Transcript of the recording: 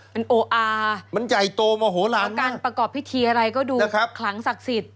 มันโออามันใหญ่โตโหลหลานมากการประกอบพิธีอะไรก็ดูขลางศักดิ์สิทธิ์